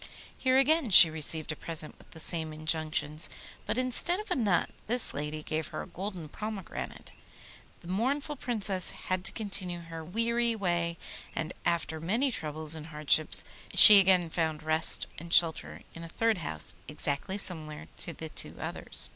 Here again she received a present with the same injunctions, but instead of a nut this lady gave her a golden pomegranate. The mournful Princess had to continue her weary way, and after many troubles and hardships she again found rest and shelter in a third house exactly similar to the two others.